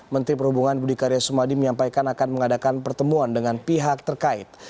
menteri perhubungan budi karya sumadi menyampaikan akan mengadakan pertemuan dengan pihak terkait